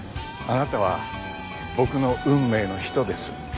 あなたは僕の運命の人です。